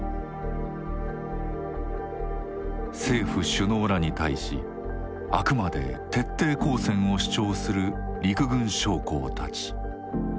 政府首脳らに対しあくまで徹底抗戦を主張する陸軍将校たち。